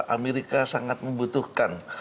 amerika sangat membutuhkan